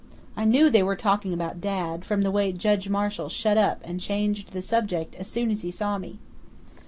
I knew they were talking about Dad, from the way Judge Marshall shut up and changed the subject as soon as he saw me."